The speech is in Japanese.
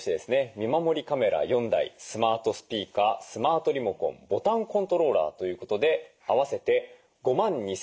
見守りカメラ４台スマートスピーカースマートリモコンボタンコントローラーということで合わせて５万２，２００円。